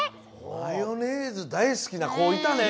マヨネーズ大好きなこいたね！